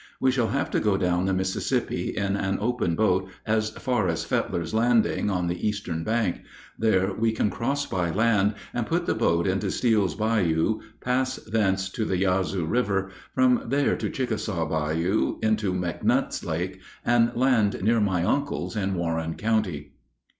We shall have to go down the Mississippi in an open boat as far as Fetler's Landing (on the eastern bank). There we can cross by land and put the boat into Steele's Bayou, pass thence to the Yazoo River, from there to Chickasaw Bayou, into McNutt's Lake, and land near my uncle's in Warren County."